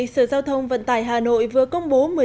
sở giao thông vận tải hà nội vừa công bố